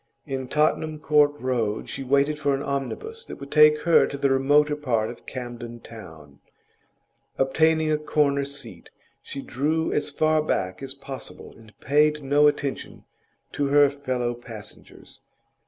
In Tottenham Court Road she waited for an omnibus that would take her to the remoter part of Camden Town; obtaining a corner seat, she drew as far back as possible, and paid no attention to her fellow passengers.